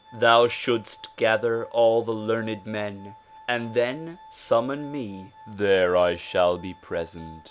Thou shouldst gather all the learned men and then summon me. There I shall be present.